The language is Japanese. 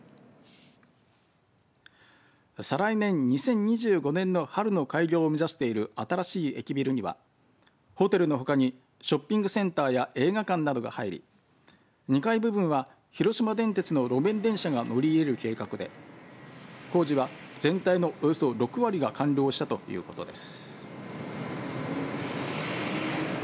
再来年、２０２５年の春の開業を目指している新しい駅ビルにはホテルのほかにショッピングセンターや映画館などが入り２階部分は広島電鉄の路面電車が乗り入れる計画で工事は全体のおよそ６割が完了したということです。